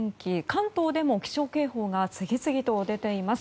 関東でも気象警報が次々と出ています。